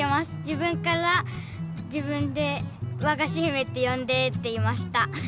自分から自分で「『わがしひめ』ってよんで」って言いました。